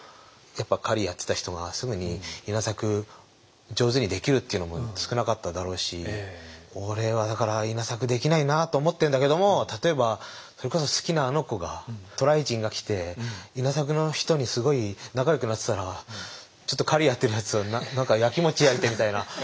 やっぱ狩りやってた人がすぐに稲作上手にできるっていうのも少なかっただろうし俺はだから稲作できないなあと思ってんだけども例えばそれこそ好きなあの子が渡来人が来て稲作の人にすごい仲よくなってたらちょっと狩りやってるやつは何かやきもち焼いてみたいな。